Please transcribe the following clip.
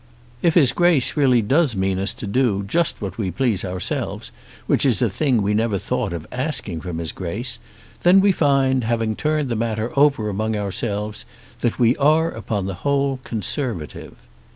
"If his Grace really does mean us to do just what we please ourselves, which is a thing we never thought of asking from his Grace, then we find, having turned the matter over among ourselves, that we are upon the whole Conservative."